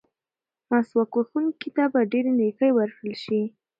مسواک وهونکي ته به ډېرې نیکۍ ورکړل شي.